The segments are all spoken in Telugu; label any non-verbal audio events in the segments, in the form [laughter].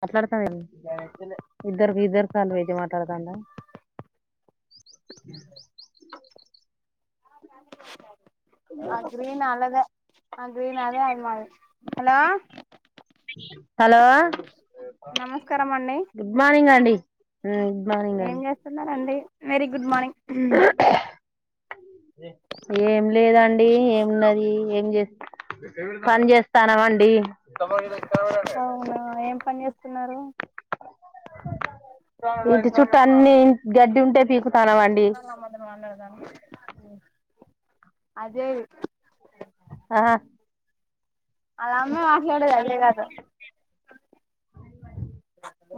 మాట్లాడతానుడి ఇద్దరు ఇద్దరు కాల్వేజ్ మాట్లాడతాడా అ ఆ గ్రీన్ అలాదే ఆ గ్రీన్ అదే అదిమా హలో హలో నమస్కారం అండి గుడ్ మార్నింగ్ అండి గుడ్ మార్నింగ్ ఏం అండి చేస్తున్నండి వెరీ గుడ్ మార్నింగ్ ఏం లేదండి ఏం చేస్త పని చేస్తానమండి అవునా ఏం పని చేస్తున్నారు అ ఇంటి చుట్టూ అన్నిీ గడ్డి ఉంటే పీకుతానంండి అదే ఆ అలామెే మాట్లాడద అదే కాదు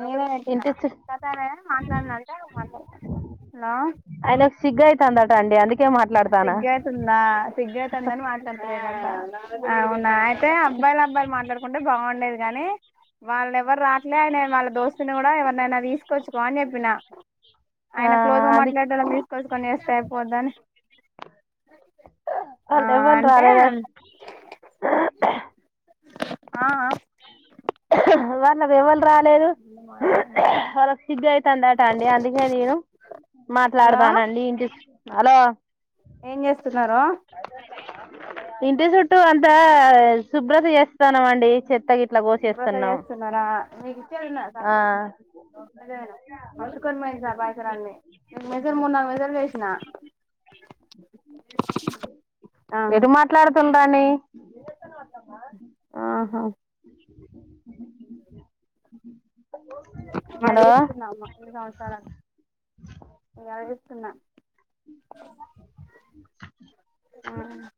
నేవే పెట్న్నా ఇంటి చు కత మాట్లాడినంటే మాట్లాడినా అయన ఒక సిగయిత అందట అండి అందుక సిగ్యతుంద సిగ్యత అంద మాట్లాడత అవునా అయితే అబ్బాయిలు అబ్బాయిలు మాట్లాడుకుంటే బాగుండేదు కాగాని వాళ్ళు ఎవరు రాట్లే ఆయన వాళ్ళ దోస్తుని కూడా ఎవరినైనా తీసుకొచ్చుకో అని చెప్పిన ఆ ఆయన క్లోజ్ గా అది మాట్లాడటళని తీసుకొచ్చికని చేస్తే అయిపోద్ద అని అ వాల్ అంటే రాాలేద ఆ వాళ్ళగ వాళ రాలేదు వాళ్ళ సిగ్ అయితుందట అండి అందుకే నేను హలో మాట్లాడదానండి ఇంటి హలో ఏం చేస్తున్నారు ఇంటి చుట్టూ అంతా శుభ్రత చేస్తాన్నాం అండి చె తొందరగా చేస్తున్నారా నీకు ఇచ్చేది నా ఆ సప్న దేనాషకమ బాయక రా అని మెజర్ ము మెజర్ చే నా ఎది మాట్లాడుతుండ రాని ఆహా మళ్ హలో తీసుకుందాము ఎందు వరిస్తున్నా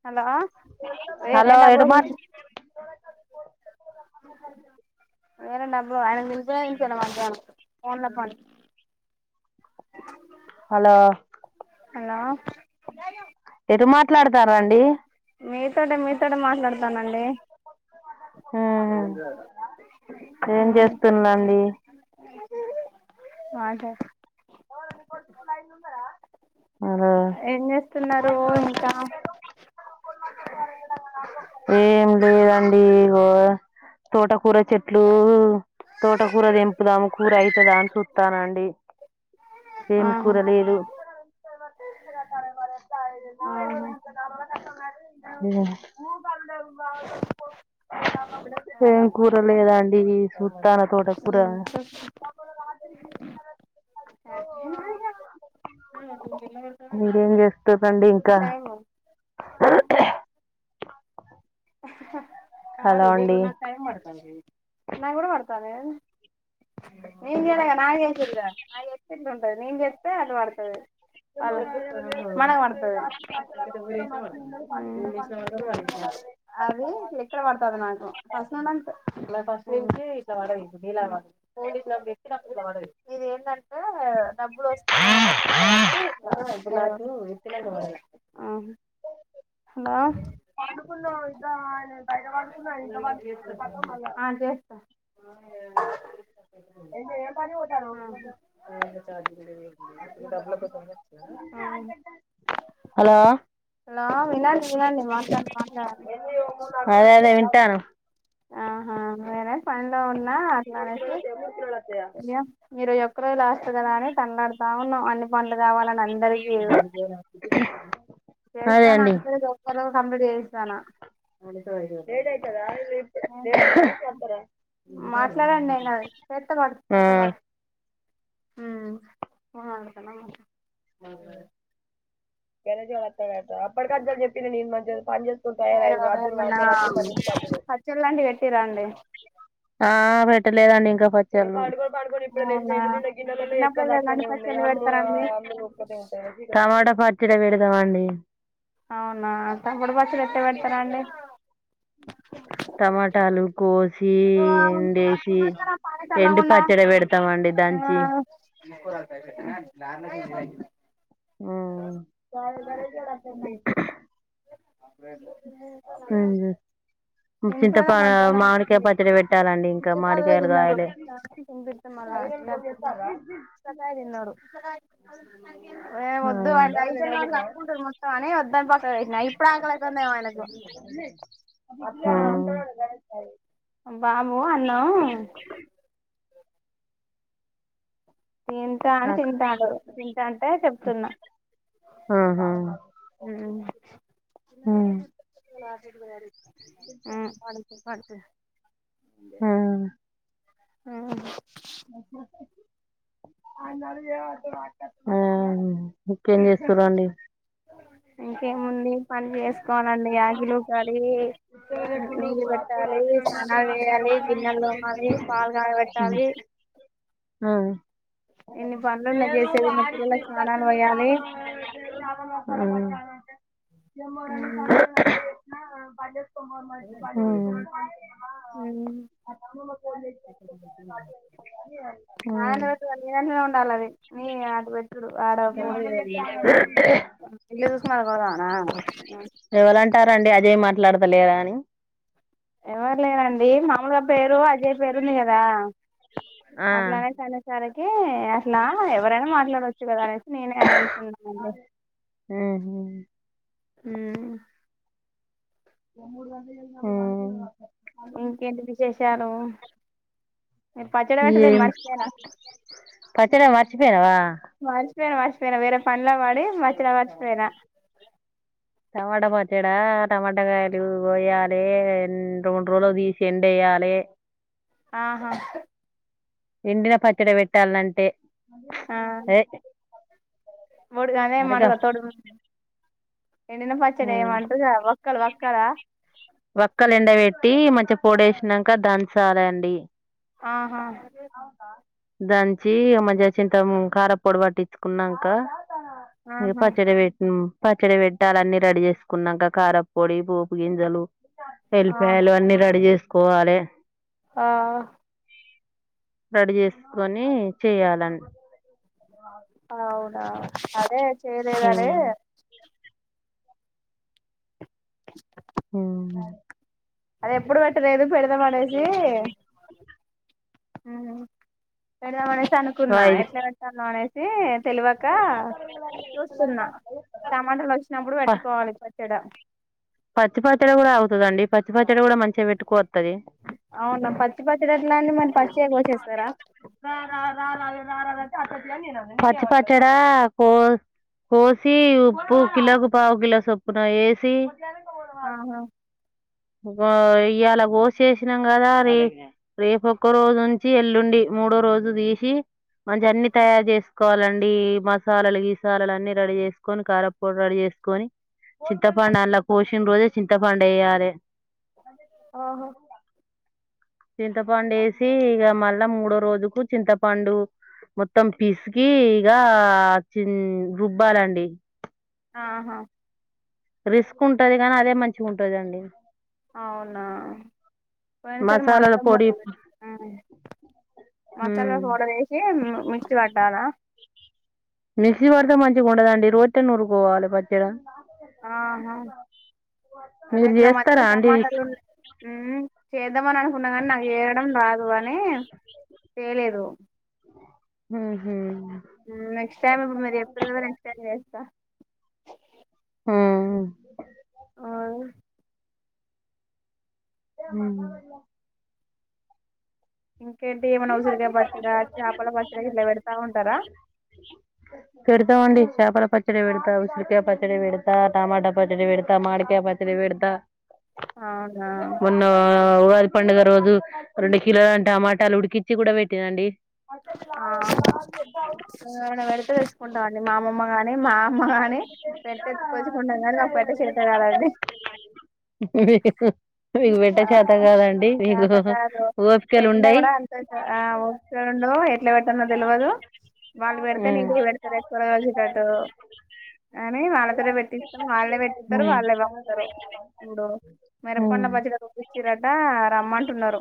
హలో హలో వేరేంట ఎటు మాట్ [unintelligible] అవు వేర డబ్ అఐ నినమాట ఫన్ల పో హలో అన్న ఎటు మాట్లాడతారండి మీతోట మీతోట మాట్లాడతానండి ఏం చేస్తుండండి మాంట హలో ఏం చేస్తున్నారు ఇంకా ఏం లేదండి ఇగో తోట కూర చెట్లు తోటకూర దంపుదాము కూర అయితే దాని చూస్తానండి సేమి ఆహా కూర లేలు ఉ ఆహా ఏం కూర లేదాండి సూన్న తోట కూర స ఇంకేం చేస్తందండి ఇంకా టైము కాదు హలో నవు అండి నా టైతద నా కూడా మతాదే నింగ్ ఎళగా నాసిద నా ఎస్తట్ ఉంటది నిం ఎస్తతే అట్ వాడతుది మనత అ ఎక్కడ వడట్లాడ ఇలా పెట్టి నా ఇది ఏంటంటే డబ్బులు వస్తా ఏమో వస్తాయ అని ఇలా హలో కు ఇ బైట వాడుకున్నా ఇంత వా మ ఆ చేస్తా హలో హలో వినడి వినాడి మాట్లాడు అదే అదే వినిట్ను నేరే పనిలో ఉన్నా అట్లానేసి మీరు ఎక్కరోలు వస్తు కదా అని తలాడుతా ఉన్నాం అన్ని పండ్లు కావాల అందరిక అదే చేస్తాను అండి అందరి ఒరు కంప్లీట్ చేయిస్త అనండి మాట్లాడండి నేన పెత పడు పెడత ఆ పడు హ మాతల మా కద చ అ అప్పటికంచని చెప్పి నేను మంచి పని చేసుని మీరు తయార్య అద్దరు అచ్చ మ ఇంచి అద్దరు ఇలాంటివి పెట్టిరండి ఆ పెట్టలేదండి ఇంకా పాడుకొని పాడుకొని ఇప్పుడే లేసినా అవునా ఇంటి గిన్నెలలో ఎక్కడ పెట్టినప్పుడల్లా ఎలాంటి దక్కనే ఉండయి పచ్చళ్ళు అమ్మ పెడతారండి అందూ ఒక్కే ఉంటాయి టమాటా పచ్చిడి పెడదామ అండి అవునా తప్పుడు బచ్చలు ఎట్టే పెడతార అండి టమాటాలు గోజ పాలు ఎండ వేసి ఎండి చల్లగుండా పచ్చడి పెడతామండి దంచి తీసు ము అే అ చింతప తినిపియాలే మధ్యాహ్నం మామిడికాయ పచ్చడి పెట్టాలండి ఇంకా పుచ్చకాయలు మామిడికాయలు తిన్నాడు కాయలు [unintelligible] చెప్తాన్రా. ఒకసారి విన్నారు మొత్తం అని హా వద్దని పక్కకు పెట్టినా ఇప్పుడు ఆకలి అయితాందేమో ఆయనకు హ్మ్ హ్మ్ బాబు అన్నం తింటా అని తింటాడు తింటా అంటే చెప్తున్నా ఆహా ఆ హ్మ్ హ్మ పాడుకు పాడుకు హ్మ హ్మ్ హ్మ్ ముకేం చేస్తురండి ఇంకేముంది పని చేసుకోవాలండి ఆగిలు ఉకలి నీళ్ళు పెట్టాలి స్నానాలు చేయాలి గిన్నెలు తోమలి పాలు కాగా పెట్టాలి హ్మ ఎన్ని పనులు ఉన్నాయి లేదు చేసేది మా వాడు ఇప్పుడు పిల్లలకు ఇంటికి స్నానాలు అచ్చిండు, పోయాలి చాపాలు [unintelligible] చాపలు [unintelligible] [inaudible] ఉమ్మ్. [unintelligible] నేనంటాన్న. నాయన పెట్టాలి నీ అన్నలో ఉండాలి అది నీ ఆటు పెట్టుడు ఆడ [inaudible] [unintelligible] జుసుకొని అటు పోదాం అనా. [unintelligible] అంటారండి అజయ్ మాట్లాడతలేరా అని ఎవరు లేరండి మామూలుగా పేరు అజయ్ పేరుంది కదా ఆ అట్లా అనేతనేసారికి అట్లా ఎవరైనా మాట్లాడవచ్చు కదా అనే నేనే అంటున్నానండి హ్మ్ హ్మ హ్మ హ్మ్ ఇంకేంటి విశేషాలు మీరు పచ్చడి లే ఏ పెట్టలేదు మర్చిపోయినా పచ్చ మర్చిపోయినావా మరిచపోయినా మరచిపోయినా వరే పనిలో పడి పచ్చడి మారచిపోయినా టమాటా పచ్చాడా టమాటాకాయలు కోయాలి రెండు రోజులు తీసి ఎండేయాలి ఏ ఆహా ఎండిన పచ్చడి పెట్టాలంటే ఆ ఏ వడు గదే మాట అరగా తోడు ఎండిన పచ్చడి ఏమంటారు ఒక్కలు ఒక్కాల వక్కలు ఎండ పెట్టి మంచిగా పొడేసినాక దంచాలండి ఆహా దంచి మ చే చింత కారా పొడి పట్టి ఇచ్చుకున్నాంక ఇ ఆహా పచ్చడి పెట్ను పచ్చడి పెట్టాలి అన్నీ రెడీ చేసుకున్నాంక కార పొడి పోపు గింజలు ఆ ఎలిపాయలు అన్నీ రెడీ చేసుకోవాలి ఆ రెడీ చేసుకొని చేయాలని అవునా అదే చేయలేదని ఉమ్ అ [unintelligible] ఉం అదే ఎప్పుడు పెట్టలేదు పెడదా మనేసి పెడదామ అనేసి ప అనుకున్నా ఎట్లా పెతాను అనేసి తెలివక చూస్తున్నా టమాటాలు వచ్చినప్పుడు పెట్టుకోవాలి చడ పచ్చి పచ్చడ కూడా అవుతదండి పచ్చిపచ్చడి కూడా మంచిగా పెట్టుకోవచ్చు అవునా పచ్చి పచ్చడి ఎట్లా అండి మరి పచ్చిగ కోసేస్తారా పచ్చి పచ్చడా కో కోసి ఉప్పు కిలోకి పావు కిలో సొప్పున వేసి ఆహా ఇయ్యాల కోసి వేసినం కదా రేపూ రేపు ఒక్క రోజు ఉంచి ఎల్లుండి మూడో రోజు తీసి మంచి అన్ని తయారు చేసుకోవాలండి మసాలాలు గీసాలాలు అన్నీ రెడీ చేసుకొని కారపొడి రెడీ చేసుకొని చింతపండు అలా కోశిన రోజే చింతపండు వెయ్యలే ఆహా చింతపండు వేసి ఇగ మళ్ళా మూడో రోజుకు చింతపండు మొత్తం పిసికి ఇగ చి రుబ్బాలండి ఆహా రిస్క్ ఉంటది కానీ అదే మంచిగ ఉంటదండి అవునా పోయినసారి మా మసాలాల అత్తమ్మ పొడి మసాలా ఉమ్. పౌడర్ వేసి మిక్సీ పట్టాలా మిక్సీ పడితే మంచిగా ఉండదండి రోట్టెనే నురుకోవాలి పచ్చడ ఆహా మీరు అదగ్గ మధ్యలో చేస్తారా అండి టమాటాలు ఉ చేద్దామని అనుకున్నాం కానీ నాకు చేయడం రాదు అని చెయ్యలేదు ఉహు. నెక్స్ట్ టైమ్ ఇప్పుడు మీరి చెప్పిర్రు కదా నెక్స్ట్ టైం చేస్తా హమ్ ఆ ఉం ఇంకేంటి ఏమైనా ఉసిరిగాయ పచ్చడా చేపల పచ్చడి ఇట్లా పెడతా ఉంటారా పెడుతామండి చేపల పచ్చడి పెడతా ఉసురికాయ పచ్చడి పెడతా టమాటా పచ్చడి పెడతా మాడికాయ పచ్చడి పెడత అవునా ఉగాది పండుగ రోజు రెండు కిలోల టమాటాలు ఉడికించి కూడా పెట్టినండి అ పెద్ద [unintelligible] ఆ పెడితే తెచ్చుకుంటాం [unintelligible] డి మా అమమ్మ ని మా అమ్మ గాని పెట్టెచ్చుకుంటాం కానీ నాకు పెట్ట చేత కాదండీ మీకు పెట్ట చేత కాదండి మీకు చేత కాదు ఓపికలు పెట్టినా ఉండయి కూడా అంత ఆ ఓ ండవు ఎట్లా పెట్టానో తెలియదు వాళ్ళు పెడితే న ఉమ్ ఇంటికి పెడతారు ఎ కూర రోజుటట్టు [unintelligible] కానీ వాళ్ళతోటే పెట్టిస్తాం వాళ్ళే పెట్టితరు వాళ్ళే పంపుతరు ఇప్పుడు మిరప పండు ఉమ్ పచ్చడ రుబ్బిన్చిరట రమ్మన్ టున్నరు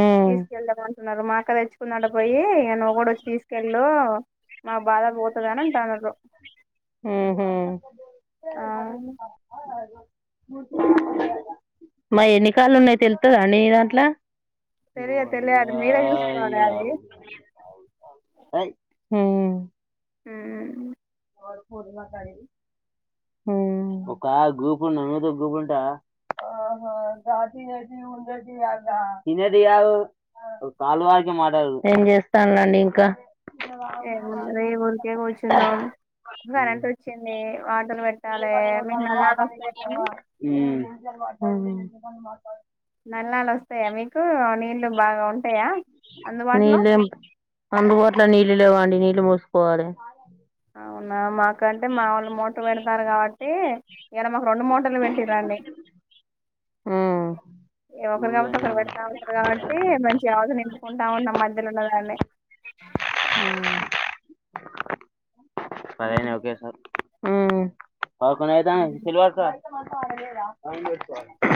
ఉమ్ తీసుకెళ్ళమని న్నరు మా అక్క తెచ్చుకున్ దంట పోయి ఇగ నువ్వు కూడా వచ్చి తీసుకెళ్ళు మా బాధ పోతది అని అంటాన్రు ఊ హమ్ ఆ మా ఎన్ని కాల్లు ఉన్నాయి తెలుత్త నీ దాంట్లో తెలియ తెలియాలి మీరే చూసుకోవాలి అది [unintelligible] హమ్ హూ హమ్ కొరు మకాయి హ్మ్ ఒక గ్రూప్ ఉన్న మీద ఒక గ్రూప్ ఉంటా ఆహా తినది కాదు [inaudible] చేస్తానుండి ఇంకా ఏమన్న ఊరికే కూర్చున్నాం కరెంట్ వచ్చింది వాటర్ హ్మ్ నేల వస్తాయా మీకు నీళ్లు బాగాంట నీళ్ళం అందుకోట్ల నీళ్ళు లేవండి నీళ్ళు పోసుకోవాలే అవునా మాకంటే మా వాళ్ళు మోట పెడతారు కాబట్టి ఇడ మాకు రెండు మోట ఇబ్బంది పెట్టీరాండి ఉమ్. ఏ ఒకరు చూడు కాకపోతే ఎన్ని ఒకరు ఉన్నాయి. పెడతా అతారు కాబట్టి మంచి అవస నింపుకుంటా ఉన్నాం మధ్యలో ఉన్న దాన్ని హ్మ్ పర ఓకే సార్ హ్మ్ ఉమ్. మాసం అ